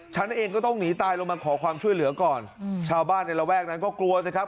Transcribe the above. ฉันเองก็ต้องหนีตายลงมาขอความช่วยเหลือก่อนชาวบ้านในระแวกนั้นก็กลัวสิครับ